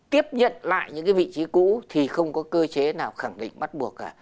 tiếp nhận lại những cái vị trí cũ thì không có cơ chế nào khẳng định bắt buộc cả